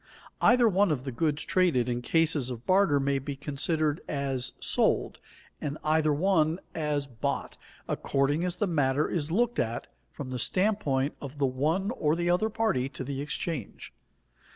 _ Either one of the goods traded in cases of barter may be considered as sold, and either one as bought, according as the matter is looked at from the standpoint of the one or the other party to the exchange.